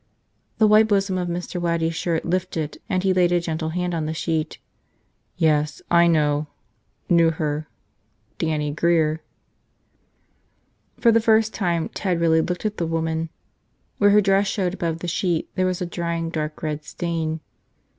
The white bosom of Mr. Waddy's shirt lifted and he laid a gentle hand on the sheet. "Yes, I know – knew her. Dannie Grear." For the first time Ted really looked at the woman. Where her dress showed above the sheet there was a drying dark red stain.